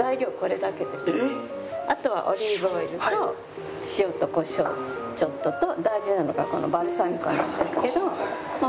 あとはオリーブオイルと塩とコショウちょっとと大事なのがこのバルサミコなんですけど。